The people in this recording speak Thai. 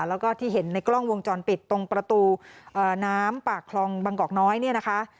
แล้วก็ที่เห็นในกล้องวงจรปิดตรงประตูน้ำปากคลองบางกอกน้อยเนี่ยนะคะ